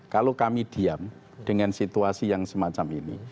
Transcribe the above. kalau kami diam dengan situasi yang semacam ini